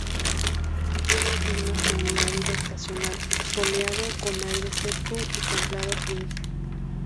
Tiene un clima semiárido estacional, soleado, con aire seco y de templado a frío.